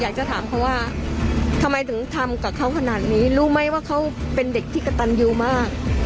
อยากจะถามเขาว่าทำไมถึงทำกับเขาขนาดนี้รู้ไหมว่าเขาเป็นเด็กที่กระตันยูมาก